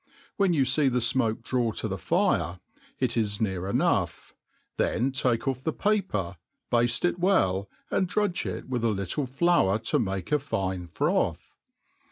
Whea you fee the fmoke draw to the fire; it is near enough ; then take ofF the paper, bafte it well, and drudge it with a little flour to make a fine froth.